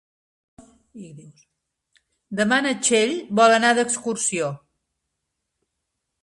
Demà na Txell vol anar d'excursió.